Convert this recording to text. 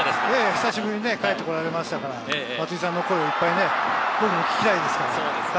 久しぶりに帰ってこられましたから、松井さんの声をたくさん聞きたいです。